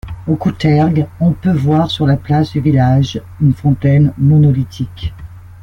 Au Cotterg on peut voir sur la place du village une fontaine monolithique.